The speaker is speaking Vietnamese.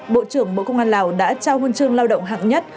bộ trưởng bộ công an lào đã trao huân chương lao động hạng nhất